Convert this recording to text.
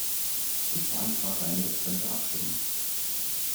Ich beantrage eine getrennte Abstimmung.